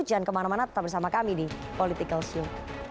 jangan kemana mana tetap bersama kami di political show